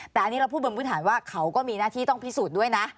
แต่อันนี้เราพูดบนพื้นฐานว่าเขาก็มีหน้าที่ต้องพิสูจน์ด้วยนะ